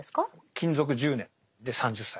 勤続１０年で３０歳。